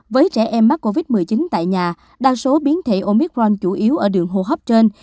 với trẻ em mắc covid một mươi chín tại nhà đa số biến thể omicron chủ yếu ở đường hô hấp trên